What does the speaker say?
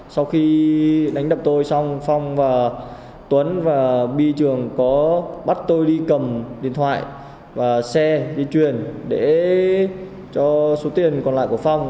sau khi đánh đập tôi xong phong và tuấn và bi trường có bắt tôi đi cầm điện thoại và xe đi truyền để cho số tiền còn lại của phong